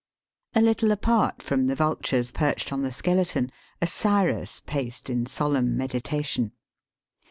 A little apart from the vultures perched on the skeleton, a sirus paced in solemn medita tion.